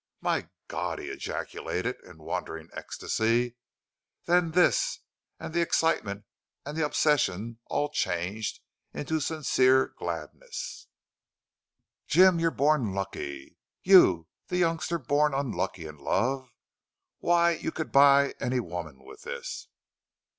"My God!" he ejaculated, in wondering ecstasy. Then this, and the excitement, and the obsession all changed into sincere gladness. "Jim, you're born lucky. You, the youngster born unlucky in love! Why, you could buy any woman with this!"